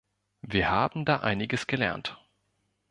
Wir haben da einiges gelernt.